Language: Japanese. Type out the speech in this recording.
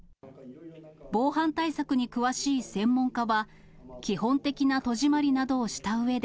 防犯対策に詳しい専門家は、基本的な戸締まりなどをしたうえで、